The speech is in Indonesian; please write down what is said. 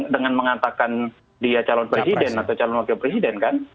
dengan mengatakan dia calon presiden atau calon wakil presiden kan